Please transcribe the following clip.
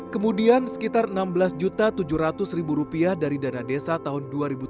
kemudian sekitar rp enam belas tujuh ratus dari dana desa tahun dua ribu tujuh belas